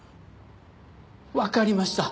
わかりました。